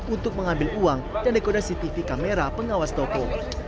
untuk mengambil uang dan dekodasi tv kamera pengawas toko